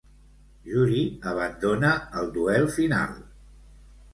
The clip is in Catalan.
Juri abandona el duel final.